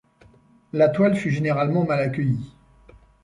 La toile fut généralement mal accueillie.